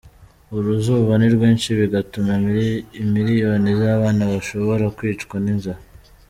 "Uruzuba ni rwinshi bigatuma imiliyoni z'abana bashobora kwicwa n'inzara.